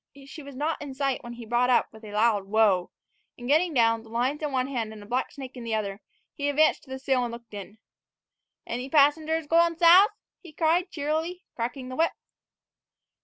She was not in sight when he brought up with a loud whoa, and getting down, the lines in one hand and a black snake in the other, he advanced to the sill and looked in. "Any passengers goin' south?" he cried cheerily, cracking the whip.